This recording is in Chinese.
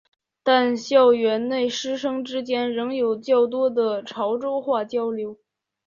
但校园内师生之间仍有较多的潮州话交流。